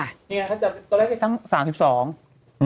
เนี้ยเขาจะตัวแรกได้ตั้งสามสิบสอง